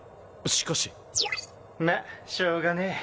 しかし。まっしょうがねえ。